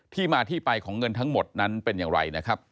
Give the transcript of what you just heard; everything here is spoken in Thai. ที่มาที่ไปของเงินทั้งหมดนั้นเป็นอย่างไรนะครับ